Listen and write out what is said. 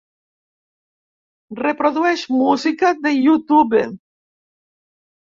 Reprodueix música de YouTube.